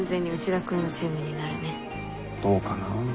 どうかなぁ。